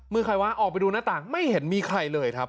ใครวะออกไปดูหน้าต่างไม่เห็นมีใครเลยครับ